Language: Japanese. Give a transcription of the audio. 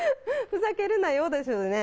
ふざけるなよですよね。